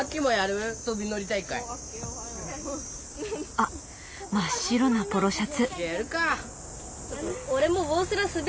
あっ真っ白なポロシャツ。